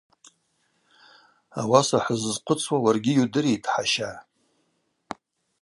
Ауаса хӏыззхъвыцуа уаргьи йудыритӏ, хӏаща.